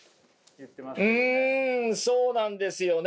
うんそうなんですよね。